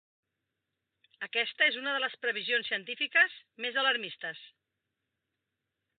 Aquesta és una de les previsions científiques més alarmistes.